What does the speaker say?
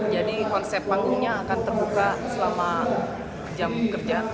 jadi konsep panggungnya akan terbuka selama jam kerja